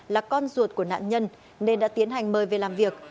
là con ruột của nạn nhân nên đã tiến hành mời về làm việc